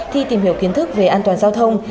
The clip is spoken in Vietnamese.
thi tìm hiểu kiến thức về an toàn giao thông